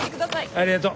ありがとう。